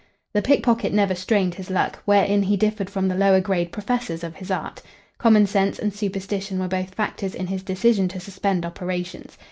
The pickpocket never strained his luck, wherein he differed from the lower grade professors of his art. Common sense and superstition were both factors in his decision to suspend operations.